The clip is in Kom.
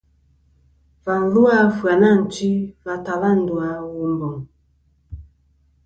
Và lu a Ɨfyanatwi va tala ndu a Womboŋ.